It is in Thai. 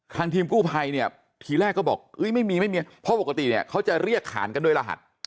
ทีมกู้ภัยเนี่ยทีแรกก็บอกไม่มีไม่มีเพราะปกติเนี่ยเขาจะเรียกขานกันด้วยรหัส